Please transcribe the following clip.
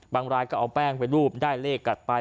รายก็เอาแป้งไปรูปได้เลขกลับไป